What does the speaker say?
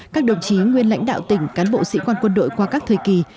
các đồng chí nguyên lãnh đạo tỉnh cán bộ sĩ quan quân đội qua các thời kỳ